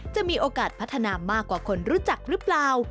จะมีโอกาสพัฒนามากกว่าคนรู้จักหรือเปล่า